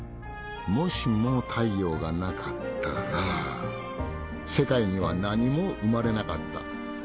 もしも太陽がなかったら世界には何も生まれなかった。